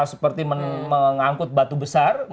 seperti mengangkut batu besar